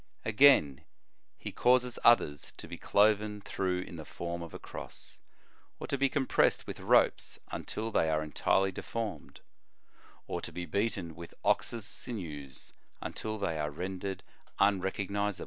Again, he causes others to be cloven through in the form of a cross ; or to be compressed with ropes until they are entirely deformed; or to be beaten with ox s * De error, profan.